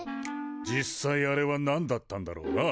実際あれはなんだったんだろうな。